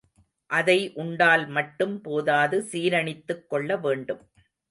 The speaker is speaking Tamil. அதை உண்டால் மட்டும் போதாது சீரணித்துக் கொள்ள வேண்டும்.